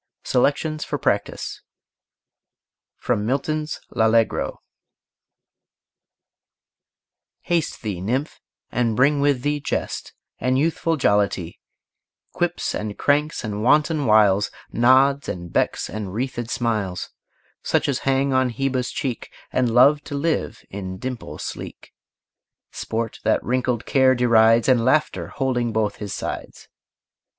_ SELECTIONS FOR PRACTISE FROM MILTON'S "L'ALLEGRO" Haste thee, Nymph, and bring with thee Jest, and youthful Jollity, Quips and Cranks and wanton Wiles, Nods and Becks, and wreathèd Smiles, Such as hang on Hebe's cheek, And love to live in dimple sleek, Sport that wrinkled Care derides, And Laughter holding both his sides.